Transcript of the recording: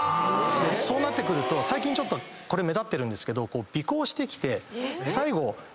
そうなってくると最近ちょっとこれ目立ってるんですけど。